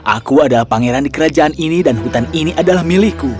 aku adalah pangeran di kerajaan ini dan hutan ini adalah milikku